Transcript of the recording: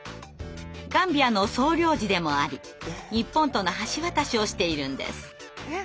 ガンビアの総領事でもあり日本との橋渡しをしているんです。